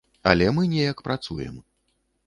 Але мы неяк працуем.